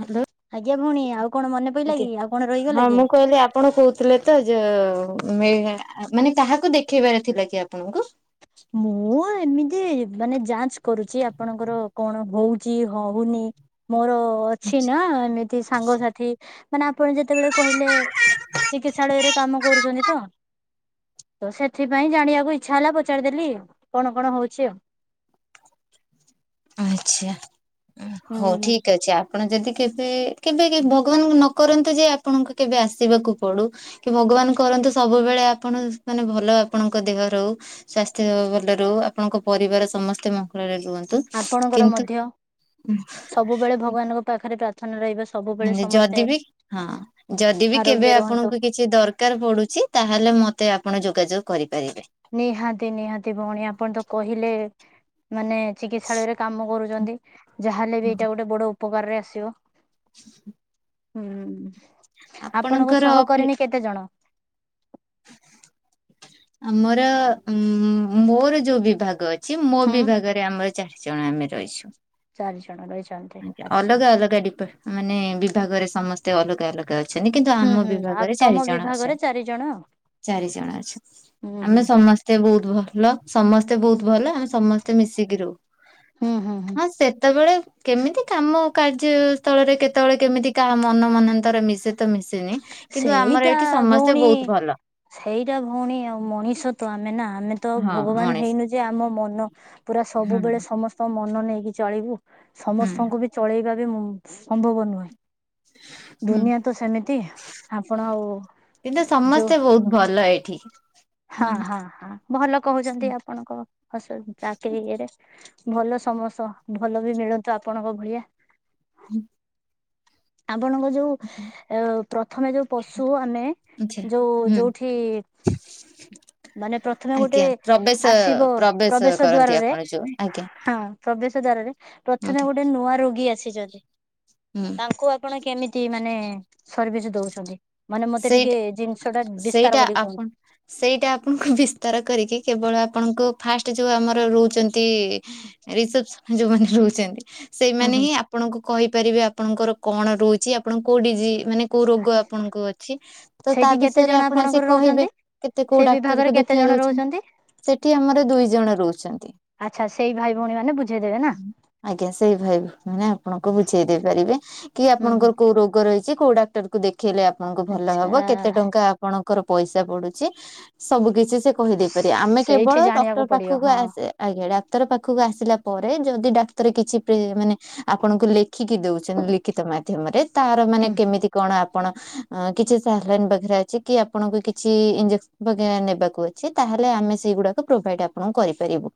Hello. ଆଜ୍ଞା ଭଉଣୀ, ଆଉ କଣ ମନେ ପଇଲା କି, ଆଉ କଣ ହଁ ରହିଗଲା କି? ମୁଁ କହିଲି ଆପଣ କହୁଥିଲେ ତ, ଯୋଉ ମାନେ କାହାକୁ ଦେଖେଇବାର ଥିଲା କି ଆପଣଙ୍କୁ? ମୁଁ ଏମିତି ମାନେ ଯାଞ୍ଚ କରୁଚି, ଆପଣଙ୍କର କଣ ହଉଚି, ହଉନି। ମୋର ଅଛି ନା, ଏମିତି ସାଙ୍ଗସାଥି ମାନେ ଆପଣ ଯେତେବେଳେ କହିଲେ, ଚିକିତ୍ସାଳୟରେ କାମ କରୁଛନ୍ତି ତ? ତ ସେଥିପାଇଁ ଜାଣିବାକୁ ଇଛା ହେଲା ପଚାରିଦେଲି, କଣ କଣ ହଉଚି ଆଉ? ଆଛା, ହୁଁ ହଉ ହୁଁ ଠିକ ଅଛି, ଆ ଆପଣ ଯଦି କେବେ, କେବେ ଭଗବାନ ନ କରନ୍ତୁ ଯେ ଆପଣଙ୍କୁ କେବେ ଆସିବାକୁ ପଡୁ। କି ଭଗବାନ କରନ୍ତୁ, ସବୁବେଳେ ଆପଣ, ମାନେ ଭଲ ଆପଣଙ୍କ ଦେହ ଭଲ ରହୁ। ସ୍ୱାସ୍ଥ୍ୟ ଭଲ ରହୁ, ଆପଣଙ୍କ ପରିବାର ସମସ୍ତେ ମଙ୍ଗଳରେ ରୁହନ୍ତୁ। ଆପଣଙ୍କର କିନ୍ତୁ ମଧ୍ୟ, ସବୁବେଳେ ଭଗବାନଙ୍କ ପାଖରେ ପ୍ରାର୍ଥନା ରହିବ। ସବୁବେଳେ ସମସ୍ତେ ଯଦି ବି, ହଁ, ଯଦି ବି ଆରୋଗ୍ୟ କେବେ ରୁହନ୍ତୁ। ଆପଣଙ୍କୁ କି କିଛି ଦରକାର ପଡୁଚି, ତାହେଲେ ମତେ ଆପଣ ଯୋଗାଯୋଗ କରିପାରିବେ। ନିହାତି, ନିହାତି ଭଉଣୀ, ଆପଣ ତ କହିଲେ ମାନେ ଚିକିତ୍ସାଳୟରେ କାମ କରୁଚନ୍ତି, ଯାହା ହେଲେ ବି ଏଇଟା ଗୋଟେ ବଡ ଉପକାର ରେ ଆସିବ। [unintelligible] ହୁଁ, ଆପଣଙ୍କ ଆପଣଙ୍କର ଅଫି ସହକର୍ମୀ କେତେ ଜଣ? ଆମର ଉ ମୋର ଯୋଉ ବିଭାଗ ଅଛି ମୋ ହୁଁ ବିଭାଗରେ ଆମର ଚାର୍ ଜଣ ଆମେ ରହିଛୁ। ଚାରି ଜଣ ରହିଛୁ। ଆଜ୍ଞା ଅଲଗା ଅଲଗା ଡିପା ମାନେ ବିଭାଗରେ ସମସ୍ତେ ଅଲଗା ଅଲଗା ଅ ଛନ୍ତି କିନ୍ତୁ ହୁଁ ଆମ ହୁଁ ଆଉ ବିଭାଗରେ ତମ ଚାରି ଜଣ ବିଭାଗରେ ଅଛନ୍ତି। ଚାରି ଜଣ ଆଉ। ଚାରି ଜଣ ଅଛୁ। ହୁଁ ହୁଁ ଆମେ ସମସ୍ ତେ ବୋହୁତ୍ ଭଲ ସମସ୍ତେ ବୋହୁତ୍ ଭଲ ଆମେ ସମସ୍ତେ ମିଶିକି ରହୁ। ହୁଁ ହୁଁ ହୁଁ ହଁ ସେତେବେଳେ କେମିତି କାମ କାର୍ଯ୍ୟ ସ୍ଥଳରେ କେତବେଳେ କେମିତି କା ମନ ମନାନ୍ତର ମିଶେ ତ ମିଶେନି। କିନ୍ତୁ ସେଇଟା ଆମର ଏଇଠି ସମସ୍ତେ ଭଉଣୀ ବୋହୁତ୍ ଭଲ। ସେଇଟା ଭୋଉଣୀ ଆଉ ମଣିଷ ତ ଆମେ ନା, ଆମେ ତ ହଁ ଭଗବାନ୍ ମଣିଷ ହେଇନୁ ଯେ ଆମ ମନ, ପୁରା ହୁଁ ସବୁବେଳେ ସମସ୍ତଙ୍କ ମନ ନେଇକି ଚଳିବୁ। ହୁଁ ସମସ୍ତଙ୍କୁ ବି ଚଳେଇବା ବି ମୁଁ ସମ୍ଭବ ନୁହେଁ। ହୁଁ ଦୁନିଆ ତ ସେମିତ ତି ଆପଣ ଆଉ କିନ୍ତୁ ଯୋଉ ସମସ୍ତେ ବହୁତ ଭଲ ଏଇଠି। ହଁ ହଁ ହଁ ହଁ ଭଲ କହୁଛନ୍ତି ଆପଣଙ୍କ ହସୁ ଜାକି ଇଏ ରେ। ଭଲ ସମସ୍ତ, ଭଲ ବି ମିଳନ୍ତୁ ଆପଣଙ୍କ ଭଳିଆ। ହୁଁ। ଆପଣଙ୍କ ଯୋଉ ଏ ପ୍ରଥମେ ଯୋଉ ପଶୁ ଆମେ, ଆଚ୍ଛା ଯୋଉ ହୁଁ ଯୋଉଠି ମାନେ ପ୍ରଥମେ ଗୋଟେ ଆଜ୍ଞା ପ୍ରବେଶ ଆସିବ ପ୍ରବେଶ କରନ୍ତି ଦ୍ଵାରରେ, ଆପଣ ଯୋଉ ଆଜ୍ଞା ହଁ ପ୍ରବେଶ ଦ୍ଵାରରେ, ଆଜ୍ଞା ପ୍ରଥମେ ଗୋଟେ ନୂଆ ରୋଗୀ ଆସିଚନ୍ତି। ହୁଁ। ତାଙ୍କୁ ଆପଣ କେମିତି ମାନେ ସର୍ଭିସ ଦୋଉଛନ୍ତି? ମାନେ ମତେ ସେଇଠି ଟିକେ ଜିନଶ୍ ଟା, ସେଇଟା ବିସ୍ତାର କରିକି ଆପଣ କୁହନ୍ତୁ। ସେଇଟା ଆପଣୁଙ୍କୁ ବିସ୍ତାର କରିକି, କେବଳ ଆପଣଙ୍କୁ ଫାଷ୍ଟ ଯୋଉ ଆମର ରହୁଚନ୍ତି ରିସେପ୍ସସନ୍ ରେ ଯୋଉମାନେ ରହୁଚନ୍ତି ହୁଁ ସେଇମାନେ ହୁଁ ହିଁ ଆପ୍ ଆପଣଙ୍କୁ କହିପାରିବେ ଆପଣଙ୍କର କଣ ରହୁଚି, ଆପଣ କୋଉ ଡିଜିଜ ମାନେ କୋଉ ରୋଗ ଆପଣଙ୍କୁ ଅ ତି ତ ତା ସେଇଠି କେତେ ବିଷୟରେ ଜଣ ଆପଣ ଆପଣଙ୍କର ଆସିକି କହିବେ, ରହୁଛନ୍ତି? କେତେ କୋଉ ସେ ବିଭାଗରେ ଡାକ୍ତରକୁ କେତେ ଜଣ ଦେଖିଇବାର ଅଛି। ରହୁଛନ୍ତି? ସେଠି ଆମର ଦୁଇ ଜଣ ରହୁଛନ୍ତି। ଆଚ୍ଛା ସେଇ ଭାଇ ଭଉଣୀ ମାନେ ବୁଝେଇଦେବେ ନା। ଆଜ୍ଞା, ସେଇ ଭାଇ ଭଉଣୀ ଆପଣଙ୍କୁ ବୁଝେଇ ଦେଇ ପାରିବେ। କି ହୁଁ ହୁଁ ଆପଣଙ୍କର କୋଉ ରୋଗ ରହିଛି। କୋଉ ଡାକ୍ତର କୁ ଦେଖେଇଲେ ଆପଣଙ୍କୁ ଭଲ ଆଚ୍ଛା। ହବ। କେତେ ଟଙ୍କା ଆପଣଙ୍କର ପଇସା ପଡୁଛି, ସବୁ କିଛି ସେ କହିଦେଇ ପାରିବେ। ଆମେ କେବଳ ସେଇଠି ଡକ୍ଟର ଜାଣିବାକୁ ପଡିବ ପାଖକୁ ହଁ ଆସେ ଆଜ୍ଞା ଡାକ୍ତର ପାଖକୁ ଆସିଲା ପରେ, ଯଦି ଡାକ୍ତର କିଛି ପ୍ରେ ମାନେ ଆପଣଙ୍କୁ ଲେଖିକି ଦେଉଛନ୍ତି ଲିଖ ଖିତ ମାଧ୍ୟ୍ୟମରେ ତାର ମାନେ ହୁଁ କେମିତି କଣ ଆପଣ ଅଁ କିଛି ସାଲାଇନ୍ ବେଗେରା ଅଛି, କି ଆପଣଙ୍କୁ କିଛି ଇଞ୍ଜେକସ ବଗେରା ନେବାକୁ ଅ ଛି ତାହେଲେ ଆମେ ସେଇଗୁଡାକୁ ପ୍ରୋଭାଇଡ ଆପଣଙ୍କୁ କରିପାରିବୁ।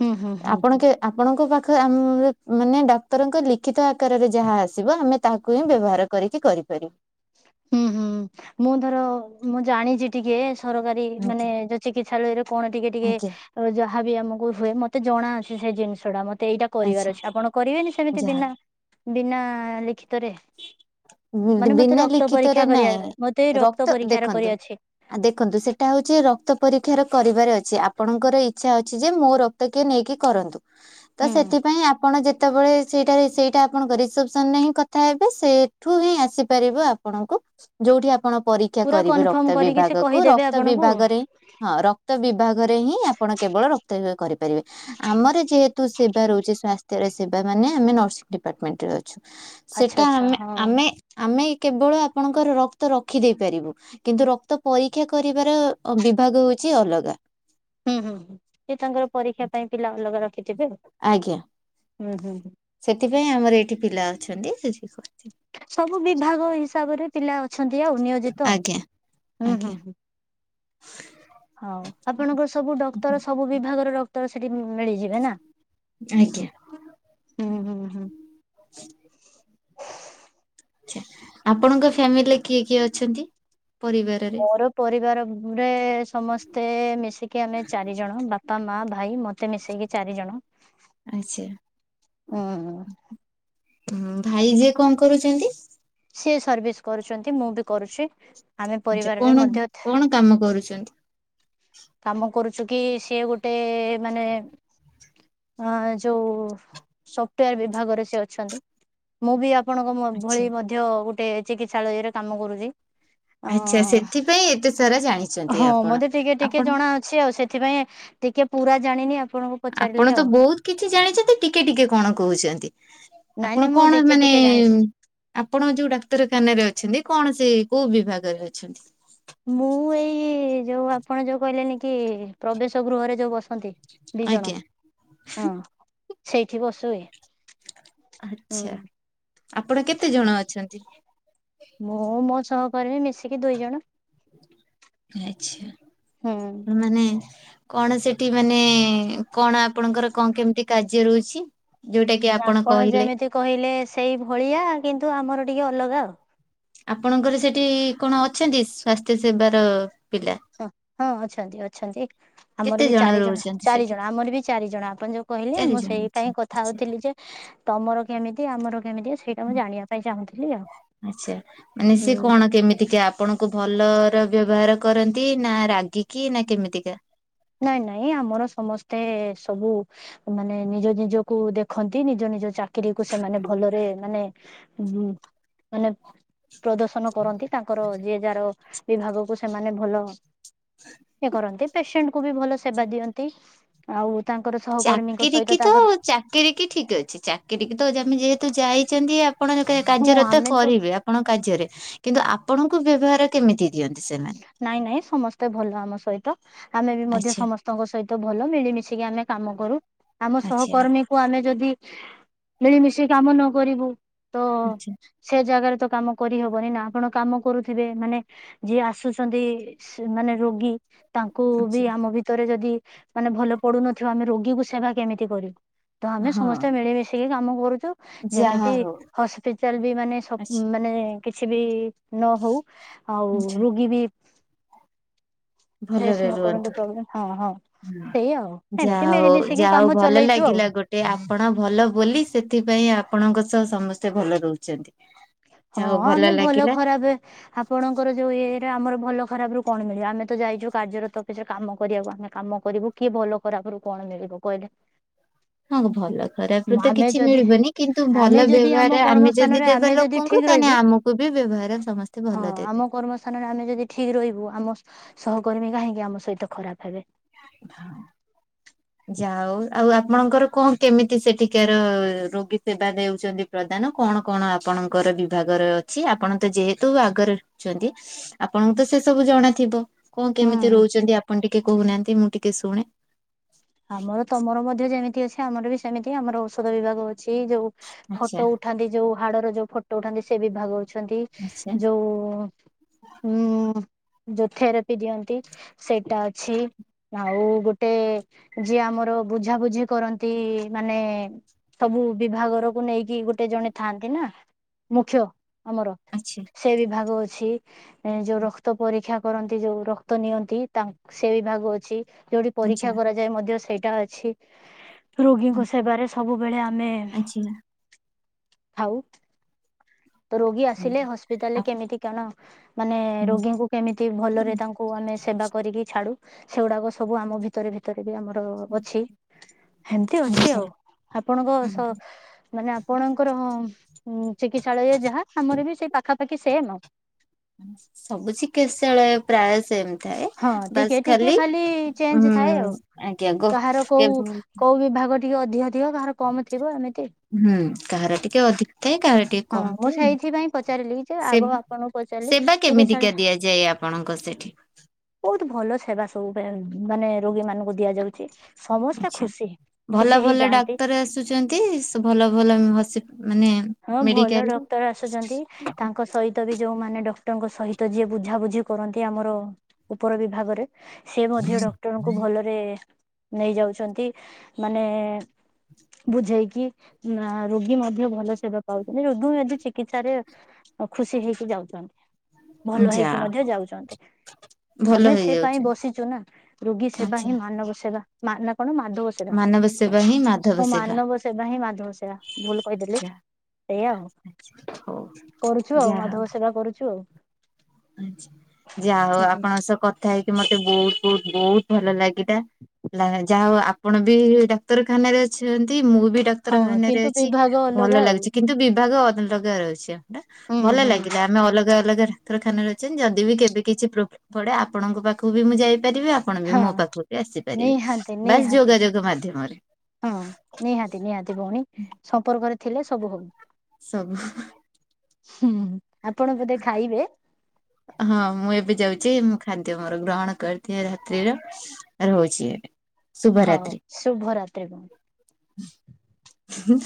ହୁଁ ହୁଁ ହୁଁ ଆପଣ ହୁଁ। କେ ଆପଣଙ୍କ ପାଖରେ ଆ ମ ମାନେ ଡାକ୍ତରଙ୍କ ଲିଖିତ ଆକାରରେ ଯାହା ଆସିବ, ଆମେ ତାହାକୁ ହିଁ ବ୍ୟବହାର କରିକି କରିପାରିବୁ। ହୁଁ ହୁଁ ମୁଁ ଧର ମୁଁ ଜାଣିଛି ଟିକେ ସରକାରୀ ମାନେ ଆଜ୍ଞା ଯ ଚିକିତ୍ସାଲୟରେ କଣ ଟିକେ ଟିକେ ଆଜ୍ଞା ଅ ଯାହାବି ଆମକୁ ହୁଏ, ମତେ ଜଣାଅଛି ସେ ଜିନିଷ ଟା ମତେ ଏଇଟା ଆଚ୍ଛା କରିବାର ଅଛି। ଆପଣ କରିବେନି ସେମିତି ଯାହା ବିନା ବିନା ଲିଖିତରେ। ମାନେ ମତେ ବିନା ରକ୍ତ ପରୀକ୍ଷା ଲିଖିତରେ କରିବା ନାଇଁ, ମତେ ଏଇ ରକ୍ତ ପରୀକ୍ଷାର ଦେଖନ୍ତୁ କରିଅଛି। ଆ ଦେଖନ୍ତୁ ସେଟା ହୋଉଛି ରକ୍ତ ପରୀକ୍ଷାର କରିବାର ଅଛି, ଆପଣଙ୍କର ଇଚ୍ଛା ଅଛି ଯେ ମୋ ର [inaudible] ନେଇକି କରନ୍ତୁ, ତ ହୁଁ ସେଥିପାଇଁ ଆପଣ ଯେତ୍ ସେତେବଳେ ସେଇଟାରେ ସେଇଟା ଆପଣଙ୍କ ରିସପସନ୍ ରେ ହିଁ କଥା ହେବେ ସେ ଠୁ ହିଁ ଆସିପାରିବେ ଆପଣଙ୍କୁ ଯୋଉଠି ଆପଣ ପରୀ କ୍ଷା ପୁରା କରିବେ କନଫର୍ମ ରକ୍ତ କରିକି ସେ ବିଭାଗକୁୁ କହିଦେବେ ରକ୍ତ ଆପଣଙ୍କୁ ବିଭାଗରେ ହିଁ ହଁ ରକ୍ତ ବିଭାଗରେ ହିଁ ଆପଣ କେବଳ ରକ୍ତ [inaudible] କରି ପାରିବେ, ଆମର ଯେହେତୁ ସେବା ରହୁଛି ସାସ୍ଥ୍ୟର ସେବା ମାନେ ଆମେ ନର୍ସିଂ ଡିପାର୍ଟମେଣ୍ଟରେ ଅ ଛୁ, ଆଚ୍ଛା ସେଟା ଆଚ୍ଛା ହଁ। ଆମେ-ଆମେ-ଆମେ କେବଳ ଆପଣଙ୍କର ରକ୍ତ ରଖି ଦେଇ ପାରିବୁ। କିନ୍ତୁ ରକ୍ତ ପରୀକ୍ଷା କରିବାର ଅ ବିଭାଗ ହଉଛି ଅଲଗା। ହୁଁ-ହୁଁ-ହୁଁ, ସେ ତାଙ୍କର ପରୀକ୍ଷା ପାଇଁ ପିଲା ଅଲଗା ରଖିଥିବେ ଆଉ ଆଜ୍ଞା ହୁଁ-ହୁଁ-ହୁଁ। ସେଥିପାଇଁ ଆମର ଏଇଠି ପିଲା ଅଛନ୍ତି ସେ ଶିଖୁଛି। ସବୁ ବିଭାଗ ହିସାବରେ ପିଲା ଅଛନ୍ତି ଆଉ ନିୟୋଜିତ ଆଜ୍ଞା ହୁଁ ହୁଁ ଆଜ୍ଞା ହୁଁ। ହଉ ଆପଣଙ୍କର ସବୁ ଡକ୍ଟର ସବୁ ବିଭାଗରର ତ ସେଠି ମିଳିଯିବେ ନା ଆଜ୍ଞା ଆଛା, ଆପଣଙ୍କ ଫ୍ୟାମିଲି କିଏ କିଏ ଅଛନ୍ତି ପରିବାରରେ? [inaudible] ପରିବାରରେ ସମସ୍ତେ ମିଶିକି ଆମେ ଚାରିଜଣ ବାପ୍ ବାପା ମା ଭାଇ ମତେ ମିଶେଇକି ଚାରି ଜଣ। ଆଛା, ଉଁ ହୁଁ ଭାଇ ଯେ କଣ କରୁଛନ୍ତି? ସିଏ ସର୍ଭିସ କରୁଛନ୍ତି ମୁଁ ବି କରୁଛି ଆମେ ଆଚ୍ଛା ପରିବାରରେ କଣ ମଧ୍ୟ କଣ କାମ କରୁଛନ୍ତି। କାମ କରୁଛୁ କି ସିଏ ଗୋଟେ-ଏ-ଏ ମାନେ ଆଁ ଯୋଉ ସଫ୍ଟୱେୟାର ବିଭାଗରେ ସେ ଅଛନ୍ତି। ମୁଁ ବି ଆପଣଙ୍କ ଆଚ୍ଛା ଭଳି ମଧ୍ୟ ଗୋଟେ ଚିକିତ୍ସାଳୟରେ କାମ କରୁଛି। ଅ ଆଚ୍ଛା, ସେଥିପାଇଁ ଏତେ ସାରା ଜାଣିଛନ୍ତି ଆପଣ ମତେ ଟିକେ ଟିକେ ଆପଣ ଜଣା ହଁ ଅଛି ଆଉ ସେଥିପାଇଁ ଟିକେ ପୁରା ଜାଣିନି ଆପଣଙ୍କୁ ପଚାରିଲି ଆପଣ ତ ଆଉ ବହୁତ କିଛି ଜାଣିଛନ୍ତି ଟିକେ ଟିକେ କଣ କହୁଛନ୍ତି। ନାଇଁ ନାଇଁ ଆପଣ ମୁଁ କଣ ଟିକେ ମାନେ ଟିକେ ଜାଣିଛି। ଆପଣ ଯୋଉ ଡାକ୍ତରଖାନାରେ ଅଛନ୍ତି କଣ ସେ କୋଉ ବିଭାଗରେ ଅଛନ୍ତି? ମୁଁ ଏଇ ଯୋଉ ଆପଣ ଯୋଉ କହିଲେନି କି ପ୍ରବେଶ ଗୃହରେ ଯୋଉ ବସନ୍ତି ଦି ଜଣ, ଆଜ୍ଞା। ହଁ ସେଇଠି ବସୁଏ। ହୁଁ। ଆଚ୍ଛା ଆପଣ କେତେ ଜଣ ଅଛନ୍ତି? ମୁଁ ମୋ ସହକର୍ମୀ ମିଶିକି ଦୁଇ ଜଣ। ଆଚ୍ଛା ହୁଁ। ମାନେ କଣ ସେଠି ମାନେ କଣ ଆପଣଙ୍କର କଣ କେମିତି କାର୍ଯ୍ୟ ରହୁଛି? ଯୋଉଟା କି ଆପଣ କହିଲେ। କହିଲେ ସେଇ ଭଳିଆ କିନ୍ତୁ ଆମର ଟିକେ ଅଲଗା ଆଉ। ଆପଣଙ୍କର ସେଠି କଣ ଅଛନ୍ତି ସ୍ଵାସ୍ଥ୍ୟ ସେବାର ପିଲା? [inaudible] ହଁ ଅଛନ୍ତି-ଅଛନ୍ତି। ଆମର କେତେ ବି ଚାରି ଜଣ, ରହୁଛନ୍ତି ଚାରି ସେଠି? ଜଣ ଆମର ବି ଚାରି ଜଣ ଆପଣ ଯୋଉ କହିଲେ ଚାରି ମୁଁ ଜଣ ସେଇ ପାଇଁ ଅଛନ୍ତି କଥା ଆଚ୍ଛା ହଉଥିଲି ଯେ ତମର କେମିତି ଆମର କେମିତି ସେଇ ଆଚ୍ଛା ମାନେ ହୁଁ ସେ କଣ କେମିତିକା ଆପଣଙ୍କୁ ଭଲର ବ୍ୟବହାର କରନ୍ତି ନା ରାଗିକି ନା କେମିତିକା? ନାଇଁ-ନାଇଁ ଆମର ସମସ୍ତେ ସବୁ ମାନେ ନିଜ ନିଜକୁ ଦେଖନ୍ତି ନିଜ ନିଜ ଚା କିରିକୁ ସେମାନେ ଭଲରେ ମାନେ ଉଁ-ଉଁ ମାନେ ପ୍ରଦର୍ଶନ କରନ୍ତି ତାଙ୍କର ଯିଏ ଯାର ବିଭାଗକୁ ସେମାନେ ଭଲ ଇଏ କରନ୍ତି ପେସେଣ୍ଟ କୁ ବି ଭଲ ସେବା ଦିଅନ୍ତି। ଆଉ ତାଙ୍କର ସହକର୍ମୀଙ୍କ ସହିତ ତାଙ୍କର ଚାକିରୀ କି ଠିକ ଅଛି। ଚାକିର କି ତ ଆମେ ଯେହେତୁ ଯାଇଚନ୍ତି ଆପଣ ଯେ ହଁ କାର୍ଯ୍ୟରତ ଆମେ ତ କରିବେ ଆପଣଙ୍କ କାର୍ଯ୍ୟରେ କିନ୍ତୁ ଆପଣଙ୍କୁ ବ୍ୟବହାର କେମିତି ଦିଅନ୍ତି ସେମ ନାଇଁ ନାଇଁ ସମସ୍ତେ ଭଲ ଆମ ସହିତ। ଆମେ ବି ମଧ୍ୟ ଆଚ୍ଛା। ସମସ୍ ସ୍ତଙ୍କ ସହିତ ଭଲ ମିଳିମିଶିକି ଆମେ କାମ କରୁ ଆମ ଆଚ୍ଛା ସହକର୍ମୀ କୁ ଆମେ ଯଦି ମିଳିମିଶି କାମ ନ କରିବୁ ତ ଆଚ୍ଛା ସେ ଜାଗାରେ ତ କାମ କରିହବନି ନା। ଆପଣ କାମ କରୁଥିବେ ମାନେ ଯିଏ ଆସୁଚନ୍ତି ମାନେ ରୋଗୀ ତାଙ୍କୁ ବି ଆଚ୍ଛା ଆମ ଭିତରେ ଯଦି ମାନେ ଭଲ ପଡୁନଥିବ। ଆମେ ରୋଗୀକୁ ସେବା କେମିତି କରିବୁ? ତ ଆମେ ହଁ ସମସ୍ତେ ମିଳିମିଶିକି କାମ କରୁଚୁ। ଯାହା ଯେମିତି ହଉ ହସ୍ପିଟାଲ ବି ମାନେ ଆଚ୍ଛା ସବ ମାନେ କିଛି ବି ନ ହଉ ଆଉ ଆଚ୍ଛା ରୋଗୀ ବି ଫେସ୍ ଭଲରେ ନ କରନ୍ତୁ ରୁହନ୍ତୁ। ପ୍ରୋବ୍ଲେମ ହଁ ହଁ ସେଇ ଆଉ ଏମିତି ଯାହା ହଉ ମିଳିମିଶିକି ଯାହା ହଉ କାମ ଭଲ ଚଲେଇଛୁ ଆଉ। ଲାଗିଲା ଗୋଟେ ଟେ ଆପଣ ଭଲ ବୋଲି ସେଥିପାଇଁ ଆପଣଙ୍କ ସହ ସମସ୍ତେ ଭଲ ରହୁଚନ୍ତି। ହଁ ଆମେ ଭଲ ଖରାପ ଆପଣଙ୍କର ଯୋଉ ଇଏରେ ଆମର ଭଲ ଖରାପ ରୁ କଣ ମିଳିବ ଆମେ ତ ଯାଇଚୁ କାର୍ଯ୍ୟରତ ସରେ କାମ କରିବାକୁ ଆମେ କାମ କରିବୁ। କିଏ ଭଲ ଖରାପରୁ କଣ ମିଳିବ କହିଲେ? ହଁ ଭଲ ଖରାପ ରୁ ତ ଆମେ କିଛି ଯଦି ମିଳିବନି, କିନ୍ତୁ ଆମେ ଭଲ ଯଦି ଆମ ବ୍ୟବହାର ଆମେ ଯଦି କର୍ମସ୍ଥାନରେ ଆମେ ଦେବା ଯଦି ଠିକ ଲୋକଙ୍କୁ ତାହେଲେ ରହିବୁ ଆମ କୁ ବି ବ୍ୟବହାର ସମସ୍ତେ ଭଲ ଦେବେ। ସ୍ଥାନରେ ଆମେ ଯଦି ଠିକ ରହିବୁ ଆମ ସହକର୍ମୀ କାହିଁକି ଆମ ସହିତ ଖରାପ ହେବେ? ହଁ। ଯାହା ହଉ ଆଉ ଆପଣଙ୍କର କଣ କେମିତି ସେଠିକାର ରୋଗୀ ସେବା ଦେଉଚନ୍ତି? ପ୍ରଧଦାନ କଣ କଣ ଆପଣଙ୍କର ବିଭାଗର ଅଛି? ଆପଣ ତ ଯେହେତୁ ଆଗରେ ଅଛନ୍ତି? ଆପଣଙ୍କୁ ତ ସେ ସବୁ ଜଣାଥିବ। କଣ ହୁଁ କେମିତି ରହୁଚନ୍ତି ଆପଣ ଟିକେ କହୁନାହାନ୍ତି ମୁଁ ଟିକେ ଶୁଣେ। ଆମର ତମର ମଧ୍ୟ ଯେମିତି ଅଛି ଆମର ବି ସେମିତି ଆମର ଔଷଧ ବିଭାଗ ଅଛି ଯୋଉ ଆଚ୍ଛା ଫଟୋ ଉଠ ଆନ୍ତି ଯୋଉ ହାଡର ଯୋଉ ଫଟୋ ଉଠାନ୍ତି ସେ ବିଭାଗ ଅଛନ୍ତି ଆଚ୍ଛା ଯୋଉ ହୁଁ ଯଉ ଥେରାପି ଦିଅନ୍ତି। ସେଇଟା ଅଛି ଆଉ ଗୋଟେ ଯିଏ ଆମର ବୁଝାବୁଝି କରନ୍ତି ମାନେ ସବୁ ବିଭାଗରକୁ ନେଇକି ଗୋଟେ ଜଣେ ଥାଆନ୍ତି ନା ମୁଖ୍ୟ ଆମର। ଆଚ୍ଛା। ସେ ବିଭାଗ ଅଛି। ଏ ଯୋଉ ରକ୍ତ ପରୀକ୍ଷା କରନ୍ତି ଯୋଉ ରକ୍ତ ନିଅନ୍ତି ତାଙ୍କ ସେ ବିଭାଗ ଅଛି। ଯୋଉଠି ପରୀକ୍ଷା ଆଚ୍ଛା କରାଯାଏ ମଧ୍ୟ ସେଇଟା ଅଛି। ରୋଗୀଙ୍କ ସେବାରେ ସବୁବେଳେ ଆମେ ଆଚ୍ଛା ଥାଉ। ତ ରୋଗୀ ଆସିଲେ ହସ୍ପିଟାଲରେ କେମିତି କଣ ମାନେ ରୋଗୀଙ୍କୁ କେମିତି ଭଲରେ ତାଙ୍କୁ କୁ ଆମେ ସେବା କରିକି ଛାଡୁ ସେଗୁଡାକ ସବୁ ଆମ ଭିତରେ ରେ ବି ଆମର ଅଛି ଏମିତି ଅଛି ଆଚ୍ଛା ଆଉ। ଆପଣଙ୍କ ସ ମାନେ ଆପଣଙ୍କର ଉଁ ଚିକିତ ଶୌଚାଳୟ ଯାହା ଆମର ବି ସେ ପାଖାପଖି ସେମ୍ ଆଉ। ସବୁ ଚିକିତ୍ସାଳୟ ପ୍ରାୟ ସେ ସେମ୍। ହଁ ଟିକେ ଟିକେ ଖାଲି ଉଁ ଚେଞ୍ଜ ଥାଏ ଆଉ। ଆଜ୍ଞା ଗୋ କାହାର କୋଉ କୋଉ ବିଭାଗ ଟିକେ ଅଧିକ ଥିବ କାହାର କମ ଥିବ ଏମିତି। ହୁଁ କାହାର ଟିକେ ଅଧିକ ଥାଏ କାହାର ଟିକେ ହଁ କମ୍ ମୁଁ ଥାଏ। ସେଇଥିପାଇଁ ପଚାରିଲି ଯେ ସେ ଆଗ ଆପଣଙ୍କୁ ପଚାରିଲି ସେବା ଚିକିତ୍ସାଳୟ କେମିତିକା ଦିଆଯାଏ ଆପଣଙ୍କ ସେଠି? [inaudible] ବୋହୁତ ଭଲ ସେବା ସବୁ ପେଁ ମାନେ ରୋଗୀମାନୁଙ୍କୁ ଦିଆଯାଉଚି। ଆଚ୍ଛା ଭଲ ଭଲ ଡାକ୍ତର ଆସୁଚନ୍ତି ସୁ ଭଲ ଭଲ ମୁହଁ ସିପ୍ ମାନେ ହଁ ଭଲ ମେଡିକାଲ ରୁ ଡକ୍ଟର ଆସୁଚନ୍ତି ତାଙ୍କ ସହି ତ ବି ଯୋଉମାନେ ଡକ୍ଟରଙ୍କ ସହିତ ଯିଏ ବୁଝାବୁଝି କରନ୍ତି ଆମର ଉପର ବିଭାଗରେ ସିଏ ମଧ୍ୟ ଡକ୍ଟରଙ୍କୁ ଭଲରେ ନେଇ ଯାଉଛନ୍ତି ମାନେ ବୁଝେଇକି ନାଁ ରୋଗୀ ମ ଧ୍ୟ ଭଲ ସେବା ପାଉଚନ୍ତି ଯଦୁଁ ଏଠି ଚିକିତ୍ସାରେ ଖୁସି ହେଇକି ଯାଉଚନ୍ତି ଭଲ ଯା ହେଇକି ହଉ, ମଧ୍ୟ ଯାଉଚନ୍ତି। ଭଲ ଆମେ ସେ ପାଇଁ ହେଇଯାଉଛି ବସିଚୁ ନା ରୋଗୀ ସେବା ଆଚ୍ଛା ହିଁ ମାନବ ସେବା ମା ନା କଣ ମାଧବ ସେ ସେଟା ମାନବ ସେବା ହିଁ ମାଧବ ହଁ ସେବା ମାନବ ସେବା ହିଁ ମାଧବ ସେବା ଭୁଲ ଯେ ଯା ସେଇଆ ଆଉ ଆଚ୍ଛା, ହଉ କରୁଛୁ ଆଉ ମାଧବ ସେବା କରୁଚୁ ଆଉ। ଆଚ୍ଛା ଯା ହଉ ହୁଁ ଆପଣଙ୍କ ସହ କଥା ହେଇକି ମତେ ବୋହୁତ ବୋହୁତ ବୋହୁତ ଭଲ ଲା ଏଟା ଲା ଯାହା ହଉ ଆପଣ ବି ଡାକ୍ତରଖାନାରେ ଅଛନ୍ତି ମୁଁ ବି ଡ ହଁ ତରଖାନାରେ କିନ୍ତୁ ଅଛି ବିଭାଗ ଭଲ ଅଲଗା ଆଉ। ଲାଗୁଚି କିନ୍ତୁ ବିଭାଗ ଅଲଗା ର ଅଛି। ଡା ହୁଁ ଭଲ ହୁଁ ଲାଗିଲା ଆମେ ଅଲଗା ଅଲଗାରେ ତରଖାନାରେ ଅଛନ୍ତି ଯଦି ବି କେବେ କିଛି ପ୍ରୋବ୍ଲେମ୍ ପଡ଼େ ଆପଣଙ୍କ ପାଖୁକୁ ବି ମୁଁ ଯାଇପାରିବି ଆ ପଣ ବି ହଁ ମୋ ପାଖୁକୁ ଆସିପାରିବେ ନିହାତି ବାସ୍ ନିହାତି ଯୋଗାଯୋଗ ମାଧ୍ୟମରେ। ହଁ ନିହାତି ନିହାତି ଭଉଣୀ ସମ୍ପର୍କରେ ଥିଲେ ସବୁ ହଉ। ସବୁ। ହୁଁ ଆପଣ ବୋଧେ ଖାଇବେ। ହଁ ମୁଁ ଏବେ ଯାଉଚି ମୁଁ ଖାଦ୍ୟ ମୋର ଗ୍ରହଣ କରିଦିଏ ରାତ୍ରିର। ରହୁଚି ଏବେ। ହଉ ଶୁଭରାତ୍ରି ଭଉ ହୁଁ।